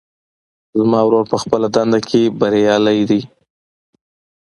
زما ورور په خپله دنده کې بریالۍ ده